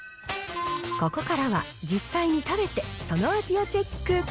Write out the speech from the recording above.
ここからは、実際に食べて、その味をチェック。